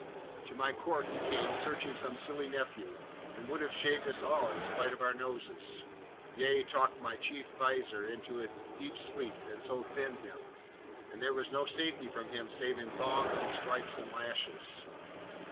To my court he came, searching some silly nephew, and would have shaved us all in spite of our noses; yea, talked my chief Vizier into a dead sleep, and so thinned him. And there was no safety from him save in thongs and stripes and lashes!'